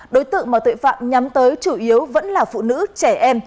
đối tượng mà tội phạm nhắm tới chủ yếu vẫn là phụ nữ trẻ em